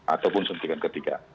ataupun suntikan ketiga